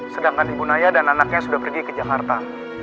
sedangkan ibu naya dan anaknya sudah pergi ke jakarta